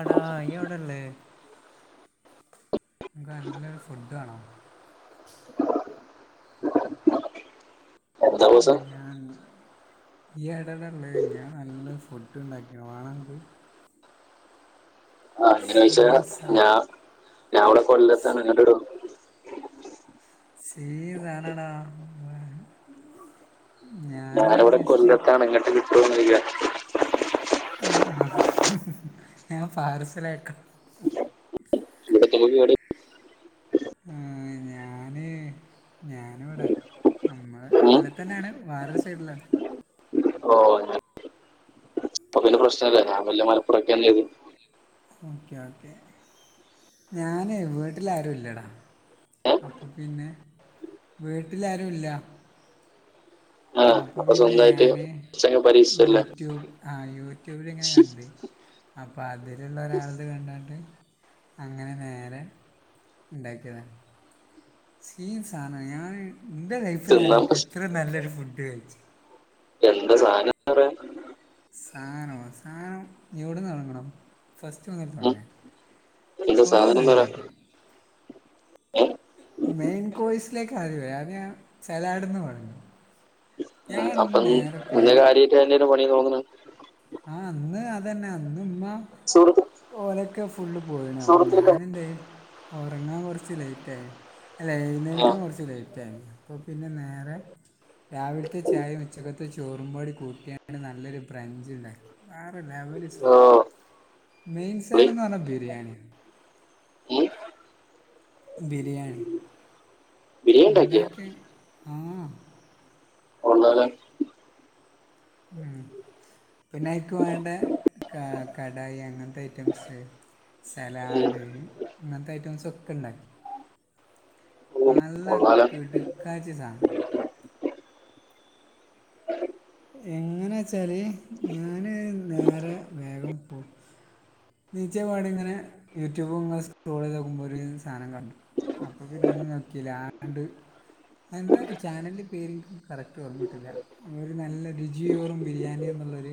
അടാ യൗടേള്ളേ? ൻക്ക് നല്ലൊരു ഫുഡ് വേണോ? [unintelligible] മ്മൂസെ. ആഹ് ഇയ്യ് എടെ ഉള്ളത് ഞാൻ നല്ല ഫുഡ് ഉണ്ടാക്കിണ വേണെൻക്ക് ആഹ് അങ്ങനെ ചോയ്ച്ചാ സീസ ഞ ഞാൻവിടെ കൊല്ലത്താണ് ട് സീൻ സാധനാടാ ഞാന് വടെ കൊല്ലത്താണ്. ഇങ്ങട്ട് [unintelligible] ല്ല. ആഹ് ആഹ് ഞാൻ പാരസലാക്കാം ഇവിടെത്തുമ്പേക്ക് കേട് വരു ആഹ്. ഞാ ഞാന് ഞാനിവടെ നമ്മ ഉം. കൊല്ലത്തെന്നെയാണ് വാറൊരു സൈഡിലാണ്. ഓഹ് ഉം അപ്പന്റെ പ്രശ്നല്ലെ ഞാൻ വല്ല മലപ്പുറൊക്കെയന്ന ചെയ്തു ഓക്കെ ഓക്കെ ഞാനെ വീട്ടിലാരു ല്ലടാ ഏഹ് അപ്പ പിന്നെ വീട്ടിലാ രുല്ല ആ അപ്പ അപ്പൊ പിന്നെ സ്വന്തമായിട്ട് ഞാന് കുറച്ചങ്ങ് പരീക്ഷിച്ചല്ലേ യൂട്യൂബ് ആയുട്യൂബി ലി ങ്ങനെ ശ്ശി, കണ്ട് അപ്പൊ അതിലുള്ള ഒരാളത് കണ്ടോണ്ട് അങ്ങനെ നേരെ ഇണ്ടാക്കിയതാ സയിം സാനാണ് ഞാൻ ന്റെ ലൈഫിൽ ആദ്യാ തിന്നാൻ യിട്ട് ഇ പ്രശ്- ത്ര നല്ലൊരു ഫുഡ് കഴിച്ച് എന്താ സാധനം പറ സാധനോ സാധനം ഇവിടെന്ന് തുടങ്ങണം ഫസ്റ്റ് വന്നൽ ഉം. തുടങ്ങ എന്താ കൊറെ സാധനം എന്ന് പറയാ സാധനണ്ടാക്കിണ് ഏഹ് മെയിൻ കോയ്സിലേക്ക് ആദ്യ വരാ ആദ്യം ഞാൻ സലാട്ന്ന് തൊടങ്ങ ഉ അപ്പം ഇന്ന് പോയി കാര്യായിട്ട് ത്തന്നെ ലെ പണി ന്ന് തോന്നണെ ആഹ് അന്ന് അതന്നെ, അന്ന് ഇമ്മ സൂറത്ത് ഓര ക്കെ ഫുള്ള് പോയിണ അപ്പൊ ഞാനെ ന്തേ ഉറങ്ങാൻ കൊ റച്ച് ലേറ്റ് ആയി അല്ല ആ എഴുന്നേൽക്കൻ കുറച്ച് ലേറ്റാ രുന്നു അപ്പൊ പിന്നെ നേരെ രാവിലത്തെ ചായയും ഉച്ചക്കത്ത ചോറുംകൂ ടി കൂട്ടിയ നല്ലൊരു ബ്രഞ്ച് ണ്ടായി വേറെലെവവ് സ ഓ മെയിൻ പുളി സാധന ന്ന് പറഞ്ഞ ബിരിയാണിആ ഉം. ബിരിയാണി ബിരിയാണി ഉണ്ടാക്കിയ എന്താക്കെ ആഹ കൊള്ളാല്ലോ ഹ്മ്മ്, പിന്നെ അയിക്ക് വേണ്ട ക കടായി അങ്ങൻത്തെ ഐറ്റംസ് ഉം. സലാഡ് ഇങ്ങൻത്തെ ഐറ്റംസൊക്കെ ഇണ്ടാക്കി. [inaudible] ന ഉം, ല്ല കൊള്ളാലോ കി ടു ക്കാ ച്ചി സാദനം എങ്ങനാ ച്ചാല് ഞാന് നേരെ വേഗം പോ നീച്ചപാടിങ്ങനെ യൂട്യൂബ് ഇങ്ങനെ സ്ക്രോളെയ്ത് നോക്കുമ്പോ ഒര് സാധനം കണ്ടു അപ്പൊ പിന്നെ ഒന്നും നോക്കീ ല ആണ്ട് അ തെ ന്താ ചാനലിന്റെ പേര് കറക്റ്റ് ഓർമ്മട്ടില്ല ഒരു നല്ല രുചിയോറും ബിരിയാണി ന്നുള്ളൊരു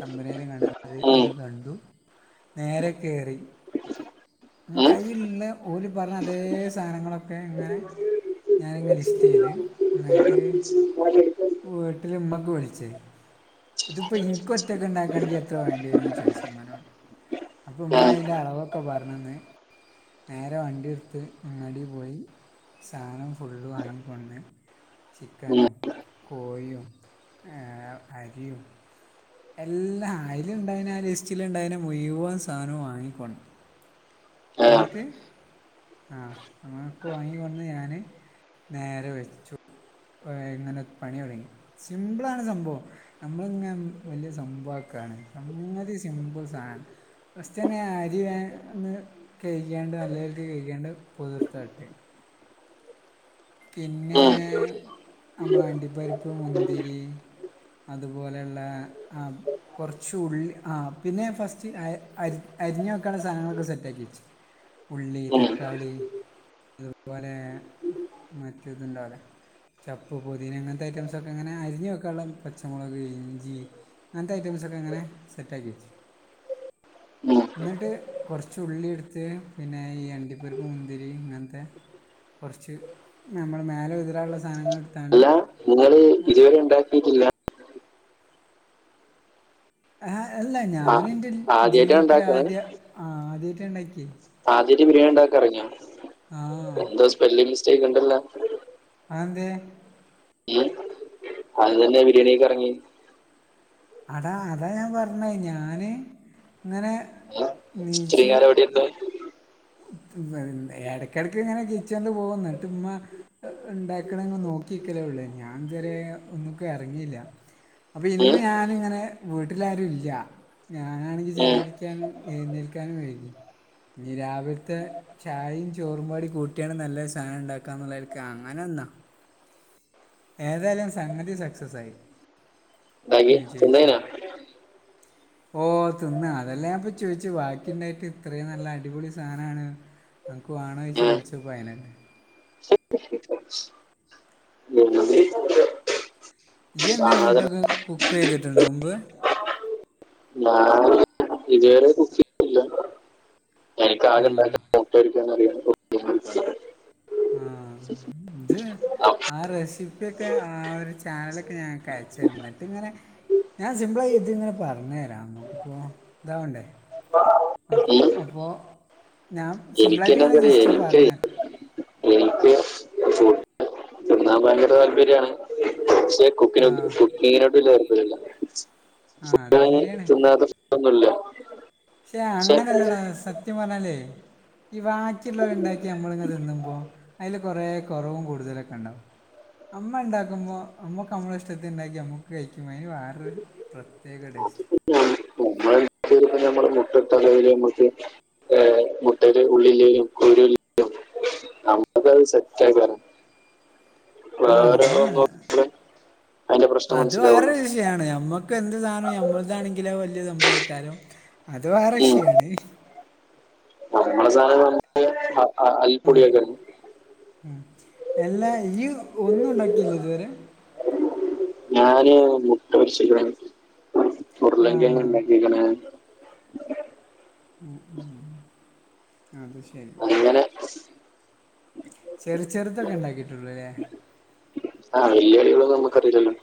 തമ്പനയില അത് ഉം, ഇത് കണ്ടു, നേരെ കേറി. ഏഹ് ഉം, അയിലിള്ള ഓര് പറഞ്ഞ അതേ സാധനങ്ങളൊക്കെ ഇങ്ങനെ ഞാനിങ് ലിസ്റ്റ് ചെയ്ത് ന്നി ട്ട് വീട്ടില ഉമ്മക്ക് വിളിച്ച് ഇതിപ്പം ഇൻക്ക് ഒറ്റക്ക് ഇണ്ടാക്കാണെങ്കിൽ എത്ര വേണ്ടി വരുംന്ന് ചോയിച്ച് ഇമ്മാനോട് അപ്പം ആ, ഉമ്മ ഇതിൻ്റെ അളവൊക്കെ പറഞ്ഞെന്ന് നേരെ വണ്ടി എടുത്ത് അങ്ങാടി പോയി സാധനം ഫുള്ള് വാങ്ങി കൊണ്ട് ഉം, ചിക്കനും കോഴിയും ആ അരി യും എല്ലാ അയിലിണ്ടായിനെ ആ ലിസ്റ്റിലിണ്ടായിനെ മുഴയുവൻ സാനവും വാങ്ങി കൊണ്ടന്ന് ആ, മത്തി ആഹ് അങ്ങനൊക്കെ വാങ്ങി വന്ന് ഞാന് നേരെ വെച്ചു. ഇങ്ങനെ പണി തുടങ്ങി സിമ്പിളാണ് സംഭവം നമ്മളിങ്ങെ വല്ല്യ സംഭവാ ക്കാണ് സംഗ തി സിമ്പിൾ സാദാണ് ഫസ്റ്റ് തന്നെ അരി ഒന്ന് കഴികി ക്യാ ണ്ട് നല്ല രീതി ക്ക് കഴികി യാ ണ്ട് പുതിർത്തായിട്ട് പിന്നെ ഉം, അമ്മളെ അണ്ടിപ്പരിപ്പ് മുന്തിരി അതുപോലെയുള്ള ആ കുറച്ച് ഉള്ളി ആ പിന്നെ ഫസ്റ്റ് അരിഞ്ഞൊക്കാനൊള്ളെ സാധനങ്ങളൊക്കെ സെറ്റാക്കി വെച്ച് ഉള്ളി, ഉം, തക്കാളി അതുപോലെ മറ്റെ ഇത്ണ്ടാവൂലെ ചപ്പ്, പൊതീന ങ്ങൻത്തെ ഐറ്റംസൊക്കെ ങ്ങനെ അരിഞ്ഞ് വെക്കാൻള്ളെ പച്ചമൊളക്, ഇഞ്ചി അങ്ങനത്തെ ഐറ്റംസോക്കെ അങ്ങനെ സെറ്റാആക്കി വച്ചു [unintelligible] എന്നിട്ട് കുറച്ച് ഉള്ളി എടുത്ത് പിന്നെ ഈ അണ്ടിപ്പരിപ്പ് മുന്തിരി ഇങ്ങനത്തെ കൊർച്ച് നമ്മള് മേലെ വിതറാൻള്ള സാനങ്ങളെട്ത്താണ്ട് [unintelligible] ഇണ്ടാക്കീട്ടില്ല. ആ അല്ല ഞാനെന്റെ ആദ്യമായിട്ടാണ് ജീവിതത്തിലാ ത്യേ ആതിയായിട്ട ഇണ്ടാക്കിയേ ആദ്യയിട്ട് ബിരിയാണിണ്ടാക്ക ഇറങ്ങ ആ എന്തോ സ്പെല്ലിങ് മിസ്റ്റെക്കുണ്ടല്ല അഹ് ന്തേ ഇവൻ അതെന്നെന്തേ ബിരിയാണി കഴിക്കാൻ എറങ്ങിയേ? അതാ, അതാ ഞാൻ പർണേ, ഞാന്ങ്ങനെ ഉം, ഇത്രയും നീച്ചൂ കാലം എവിടെ ഇരുന്നു ഉം, തിന്നൊ [unintelligible] എടക്കെട്ക്കിങ്ങനെ കിച്ചണ്ല് പോവും. ന്നട്ട്മ്മ ഇണ്ടാക്കണ ത് നോക്കിക്കലേ ഉള്ളൂ ഞാൻ ഇതരെ ഒന്നക്ക് ഇറങ്ങിയില്ല അപ്പം ഉം, ഇന്ന് ഞാനിങ്ങനെ, വീട്ടിലാരുംല്ല്യ. ഞാനാണെങ്കി ഉം, ചായുടിയ്ക്കാൻ എഴുന്നേൽക്കാനും വൈകി. ഇഞ്ഞി രാ ത്തെ ചായേം ചോറുപാടി കൂട്ടിയാണ് നല്ല സാനം ഇണ്ടാക്കാന്നുള്ള അങ്ങനെന്നാ ഏതായാലും സംഗതി സക്സസ് ആയി ഉണ്ടാക്കി വിചയിച്ച് ണ് തിന്നേനോ ഓഹ്, തിന്നാ അതെല്ലെ ഞാപ്പ ചോയിച്ചേ വാക്കിണ്ടായിട്ടിത്രയും നല്ല അടിപൊളി സാനാണ് നിൻക്ക് വേണോയ്ച്ച് ഉം. വിൾച്ച് പ്പോ [unintelligible] [unintelligible] [unintelligible] യിഎന്നേ സാധനം ഫുഡൊക്കെ കുക്കെ യ്തിട്ട്ണ്ടോ മുമ്പ്? ഞാൻ [unintelligible] ഇത് വെരെ കുക്കി ആഹ് [unintelligible] ആഹ്, ദ് ആ റെസിപ്യൊക്കെ ആ ഒര് ചാനലൊക്കെ ഞാനൻക്കയച്ചര്ണ്ട്. ന്നട്ട്ങ്ങനെ ഞാൻ സിമ്പ്ളായി ത്ങ്ങനെ പർഞ്ഞെരാ. അമുക്ക്പ്പോ താവണ്ടേ. അപ്പോ, ഉം. അപ്പോ ഞാം സിമ്പിളായിട്ട്ങ്ങനെ എനിക്കെന്നാന്നറിയോ ജസ്റ്റ് എനിക്ക് പറഞ്ഞെ. എന്നാ ഭയങ്കര താല്പര്യമാണ് പക്ഷേ കുക്കിനോ ആഹ് [unintelligible] കുക്കിങ്ങിനോട് വെല്ല്യ താല്പര്യല്ല്യ. ആഹ് അത് [unintelligible] ശരിയാണ് തിന്നാ കൊ പ്പൊന്നുല്ല്യ. ഷേ, അങ്ങനെല്ലെടാ സത്യം പർഞ്ഞാല്ലേ ഈ വാക്കിള്ളോര്ണ്ടാക്കി അമ്മള്ങ്ങ തിന്നുമ്പോ അയിലൊക്കെ കൊറേ കൊറവും കൂടുതലൊക്കെണ്ടാവും. അമ്മണ്ടാക്കുമ്പോ അമ്മക്ക് അമ്മടെ ഇഷ്ടത്തിന്ണ്ടാക്കി അമ്മക്ക് കയിക്കുമ്പൊ അയ്ന് വേറൊര് പ്രത്യേകടേസ്റ്റ്‌. [unintelligible] [unintelligible] ഞമ്മള് [unintelligible] പെട്ടെന്നോല് അങ്ങേട്ട് മുട്ടന്റെ ഉള്ളിലുള്ള കുരു നമുക്ക [unintelligible] ത് സെറ്റായിക്കാരം. ആഹ് അതാണ്. നോക്കുമ്പോഴേ അതിന്റെ പ്രശ്നം അത് മനസ്സിലാവുള്ളൂ വേറൊര് വിശ് യാണ്. അമ്മക്ക് എന്ത് സാനോം ഞമ്മൾതാണെങ്കില് അഅ് വല്യ സംഭവേക്കാരം, അത് വേറെ ഉം. വിഷ്യാണ്. നമ്മള് സാധാരണ ആഹ് അരിപ്പൊടിയൊക്കെ ഉം. എല്ലാ യ്യി ഒന്നുണ്ടാക്കീല്ല്യതുവെരെ. ഞാന് മുട്ട പൊരിച്ചികണ് ഉരുള ആ ങ്കെഴ്ങ്ങ് ഇണ്ടാക്കിക്കണ് ഉം, ഉം. അത് ശരി. അങ്ങനെ ചെറു ചെറുതൊക്കെ ഇണ്ടാക്കിട്ടുള്ളൂ ല്ലേ [unintelligible] നമ്മക്കറീലല്ലോ.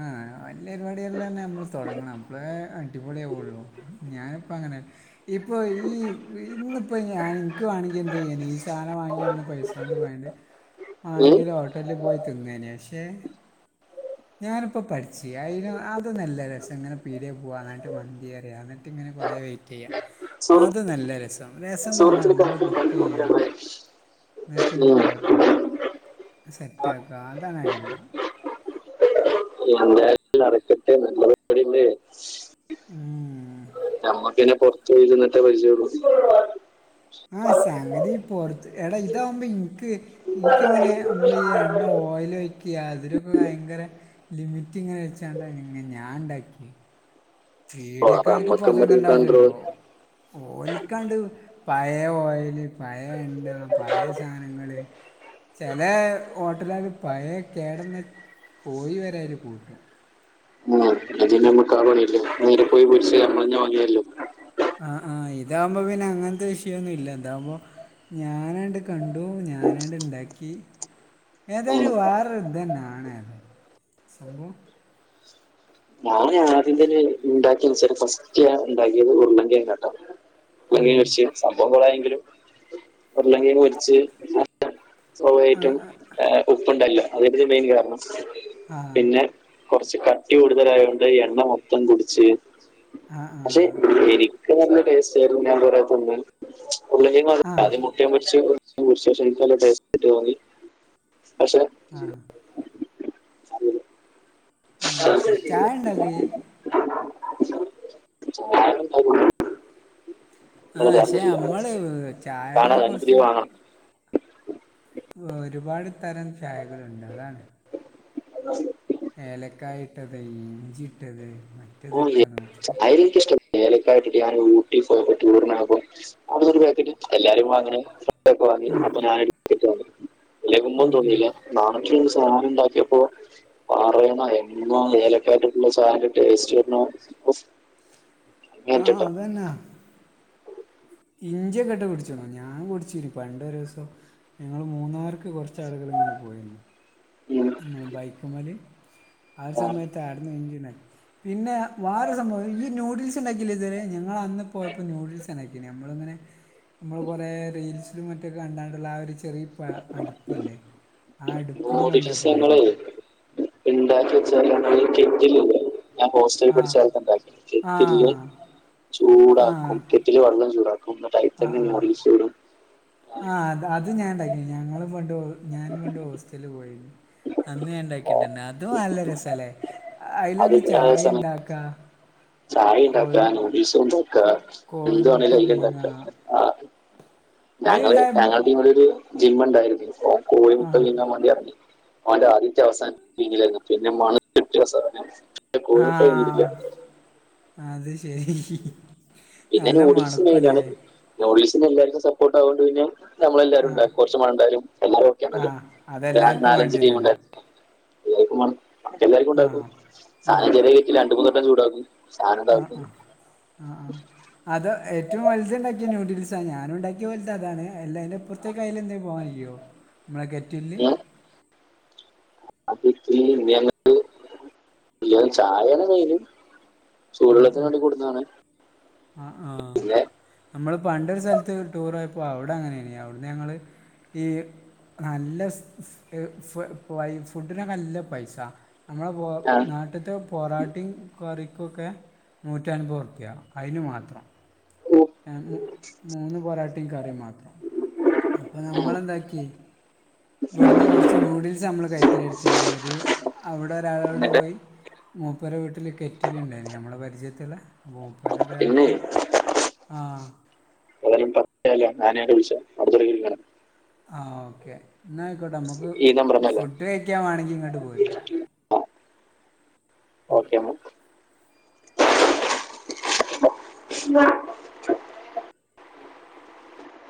ആഹ് വല്ല പരിപാടില്ലാം തന്നെ നമ്മള് തുടങ്ങണം അപ്പള അടിപൊളിയാവോള്ളൂ ഞാനിപ്പ അങ്ങനെ ഇപ്പോ ഈ ഇന്നിപ്പോ ഞാൻ എനിക്ക് വേണമെങ്കിൽ എന്ത് ചെയ്യാല് ഈ സാധനം വാങ്ങിയണെന് പൈസ. എടുത്തോണ്ട് പോയണ്ട് ഉം ആണെങ്കിൽ ഹോട്ടലിൽ പോയി തിന്നേനെ പക്ഷേ. ഞാനിപ്പോ പട്ച്ചി അയിന് അതൊന്നല്ല രസം ഇങ്ങനെ പീട്യാ പോവ എന്നിട്ട് മന്തി പറ്യാ എന്നിട്ട് ഇങ്ങനെ കൊറെ വൈ ചെയ്യാം അത് സുഹൃത്ത് നല്ല രസം രസയെന്ന് പറഞ്ഞാൽ സുഹൃത്ത് നമ്മള് കുക്ക് ചെയ്യാ. നെറ്റ് ഇങ്ങട്ട് ഉം ഓൺ ആക്കുക സെറ്റാക്കുക അതാണ് അടിപൊളി. അങ്ങനെ അല്ല അറക്കട്ടെ നല്ലത്. എവിടെയുണ്ടെ ഉം നമുക്ക് തന്നെ കുറച്ചിരുന്നിട്ട് പരിചയമുള്ള. ആഹ് സംഗതി പൊറത്ത് എടാ ഇതാവുമ്പോ ഇനിക്ക്. ഇക്കെങ്ങനെ അമ്മള് ഈ എണ്ണ ഓയലൊയ്ക്യേ അതിലൊക്കെ ഭയങ്കര ലിമിറ്റ് ഇങ്ങനെ വെച്ചാണ്ട് അങ്ങ് ഞാൻ ഉണ്ടാക്കി. ഓ അപ്പൊ പീട്യക്കാർക്ക് ഇപ്പൊ നമ്മക്ക് നമ്മുടെ അതൊന്നുംണ്ടാവുല്ലല്ലോ. കൺട്രോൾ ഓൽക്കാണ്ട് പയെ ഓയല് പയെ എണ്ണ പയെ സാനങ്ങള് ചില ഹോട്ടലുകാര് പഴയ കേടന്ന് കോഴി വരെ കൂട്ടും. ഇതി [unintelligible] നേരെ പോയി വിരിച്ച് നമ്മളന്നെ വങ്ങിയല്ലോ. ആഹ് ആഹ് ഇതാകുമ്പോ പിന്നെ അങ്ങനത്തെ വിഷയമൊന്നും ഇല്ല ഇതാവുമ്പോ. ഞാനാണ്ട് കണ്ടു ഞാനാണ്ട് ഉണ്ടാക്കി. ഉം ഏതായാലും വേറെ ഇതു തന്നെയാണ് അത് സംഭവം. ഞാൻ ആദ്യതന്നെ ഉണ്ടാക്കിനെ വച്ചാല് ഫസ്റ്റ് ഉണ്ടാക്കിയത് ഉരുളൻ കിഴങ്ങ് കേട്ടോ. ഉം അംഗീകരിച്ചു സംഭവം കൊള്ളാമെങ്കിലും ഒന്നെങ്കിൽ മൊരിച്ച്. ആഹ് സ്വാഭാവികം ആയിട്ടും ആഹ് ഉപ്പുണ്ടല്ലോ അതായിരിക്കും മെയിൻ കാരണം. ആഹ് പിന്നെ കൊറച്ച് കട്ടി കൂടുതലായുകൊണ്ട് എണ്ണ മൊത്തം കുടിച്ച്. ആഹ് അല്ലെ ആഹ് ശരിക്കും നല്ല ടേസ്റ്റ് ആയിരുന്നു ഞാൻ കൊറെ തിന്നു. ഒന്നെങ്കിൽ ആഹ് മടുത്താലെ [unintelligible] പക്ഷേ? ആഹ് [unintelligible] ആഹ് ശരി ചായ ഉണ്ടോക്കേ. [unintelligible] നല്ല ആഹ് പക്ഷെ ചാർജറില്ല നമ്മള് ചായകളെ കാണാതെ കുറച്ച്. പുതിയ വാങ്ങണം ഒരുപാട് തരം ചായകളുണ്ട് അതാണ്. ഏലക്കായ് ഇട്ടത് ഇഞ്ചി ഇട്ടത്. ഇത്തിരി തിരക്കാണോ. ആയിരിക്കും, എനിക്ക് ഇഷ്ടം ഏലയ്ക്ക ഇട്ടിട്ട് ഞാനൊരു ടീ സ്പൂൺ ഇട്ടിട്ട് ടൂർ പോകുന്നു ആർക്കോ [unintelligible] എല്ലാരും. അപ്പൊ അങ്ങനെ ഷർട്ട്‌ ഒക്കെ വാങ്ങി അപ്പൊ ഞാൻ എടുത്തിട്ട് വന്നു ഇളകുമ്പോൾ ഉം ഉം തോന്നിയില്ല. നമുക്ക്‌ ഇനി സാധനം ഉണ്ടാക്കിയപ്പോ പാറയണ എന്നോലും. കേട്ടിട്ടുള്ള സാധനം ടേസ്റ്റ് വരും. ആഹ് അതന്നെ. ഇഞ്ചിയൊക്കെ ഇട്ട് കുടിച്ചോണോ ഞാൻ കുടിച്ചിന് പണ്ടൊരു ദിവസം. ഞങ്ങൾ മൂന്നാർക്ക് കുറച്ച് ആളുകൾ ഇങ്ങനെ പോയിരുന്നു. ഉം നമ്മള് ബൈക്ക് മേലെ ആഹ് സമയത്ത് അവിടുന്ന് ഇഞ്ചിയാണ്. പിന്നെ വേറെ സംഭവം ഈ നൂഡിൽസ് ഉണ്ടാക്കില്ലേ ഇതുവരെ, ഞങ്ങൾ അന്ന് പോയപ്പോൾ നൂഡിൽസ് ഉണ്ടാക്കി നമ്മള് അങ്ങനെ. നമ്മള് കൊറെ റീൽസിലും മറ്റൊക്കെ കണ്ടാണ്ടുള്ള ആഹ് ഒരു ചെറിയ. വാ അടുപ്പല്ലേ ആഹ് അടുപ്പും കൊണ്ട്. ഇങ്ങളെ ഇണ്ടാക്കിച്ചാൽ [unintelligible] ഞാൻ ഹോസ്റ്റലിൽ ആ പഠിച്ച കാലത്ത് ഉണ്ടാക്കി ആ കെറ്റില് ആ ചൂടാക്കും കെറ്റില് വെള്ളം ചൂടാക്കും. ആ ആ [unintelligible] ആ അ അത് ഞാൻണ്ടാക്കീനീ ഞങ്ങളും പണ്ട് ഹോ ഞാനും പണ്ട് ഹോസ്റ്റൽല് പോയിന്നു അന്ന് ആ, ഞാന്ണ്ടാക്കിട്ടുണ്ട് അതും നല്ല രസാല്ലേ? അയിലെന്നെ ചായീണ്ടാക്കാ ചായയിണ്ടാക്ക, നൂഡിൽസുണ്ടാക്കാ കോഴിമുട്ട എന്തുവേണേലും പിങ്ങുക അയില്ണ്ടാക്ക ആഹാ ഞങ്ങള് അതിലുണ്ടായ ഞങ്ങളുടെ ടീമില് ഒരു ജിമ്മ ഉണ്ടായിരുന്നു അപ്പ ആ കോഴിമുക്കൽ ജിമ്മാൻ വണ്ടി ഇറങ്ങി അവന്റെ ആദ്യത്തെ അവസാനം പിന്നെ [unintelligible] മുട്ട ആഹാ വിങ്ങിയില്ല അത്ശെരി പിന്നെ നൂഡിൽസി മെയിനാണ് നൂഡിൽസ് പിന്നെല്ലാർക്കും സപ്പോർട്ട് ആണോണ്ട് പിന്നെ നമ്മളെല്ലാരും ആ ഉണ്ടായി കൊർച്ച് മഴണ്ടായാലും എല്ലാരും ആ ഓക്കെയാണല്ലോ ഒരു നാ അതെല്ലാവർക്കും നാലഞ്ച് വേണ്ടി ടീ വരുമല്ലോ മുണ്ടായിര്ന്നു [unintelligible] ആ എല്ലാർക്കുണ്ടാവൊപ്പത് ഉം. സാധനം ചെറിയ കെറ്റിലാ രണ്ട് മൂന്നട്ടം ചൂടാക്കി സാനം തെയ്ഞ് ആ ആഹാ അത് ഏറ്റവും വല്ത്ണ്ടാക്കി നൂഡിൽസാ ഞാനൊണ്ടാക്കിയ പോൽത്ത അതാണ് അല്ലാ അയിന്റെപ്പർത്തെക്ക് അയ്ലെന്തേ പോവായ്യോ? ഉം. [unintelligible] അത് ഇ [unintelligible] പിന്നെ ചായേണ് മെയിന്. സൂടുവെള്ളത്തിന് വേണ്ടി കൊട്ന്നാണേ? ആ ആഹാ ഞ്ഞമ്മള് പണ്ടൊരു സ്ഥലത്ത് ടൂറോയപ്പോ അവ്ടങ്ങനേനി അവിടുന്നങ്ങള് ഈ നല്ലെ ഫ് ഫ് എഹ് വൈ ഫുഡിനൊക്കെ നല്ല പൈസാ അമ്മളെ പൊ ഞാൻ നാട്ട്ത്തെ പൊറാട്ടീം കറിക്കൊക്കെ നൂറ്റൻപർറുപ്പ്യാ അയിന് മാത്രം ഏഹ് മൂന്ന് പൊറാട്ടിം കറിം മാത്രം അപ്പൊ നമ്മളെന്താക്കി ഇവിടുന്ന് കൊറച്ച് നൂഡിൽസമ്മള് കഴിക്കലെടുത്തീന് ഒര് അവിടെ ഒരാളോട് എന്നിട്ട് പോയി മൂപ്പരെ വീട്ടില് കെറ്റില്ണ്ടായീനി അമ്മളെ പരിചയത്ത്ള്ളെ പിന്നെ മൂപ്പര്താക്കി ആഹാ [unintelligible] ആനേടെ വിഷയം അട്ത്തരവിന്‌ കാണം. ആ ഓക്കേ ഇന്നാ അയ്കോട്ടെ അമ്മക് ഈ നമ്പർ ഒന്നല്ല ഫുഡ്ഡ് കഴി ണെങ്കി ഇങ്ങട്ട് പോര് ഓക്കെ [inaudible]